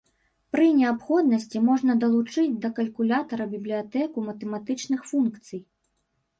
Пры неабходнасці можна далучыць да калькулятара бібліятэку матэматычных функцый.